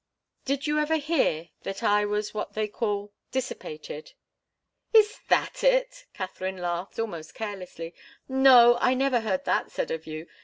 "Did you ever hear that I was what they call dissipated?" "Is that it?" Katharine laughed, almost carelessly. "No, I never heard that said of you.